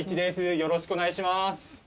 よろしくお願いします。